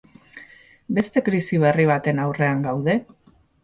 Beste krisi berri baten aurrean gaude?